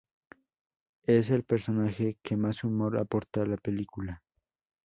Es el personaje que más humor aporta a la película.